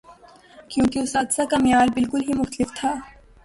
کیونکہ اساتذہ کا معیار بالکل ہی مختلف تھا۔